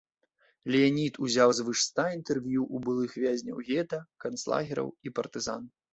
Леанід узяў звыш ста інтэрв'ю ў былых вязняў гета, канцлагераў і партызан.